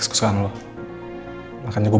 setelah kesehatan diri